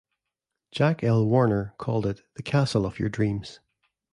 Jack L. Warner called it "The Castle of Your Dreams".